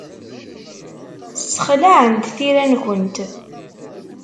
Ssexlaɛent tira-nkent.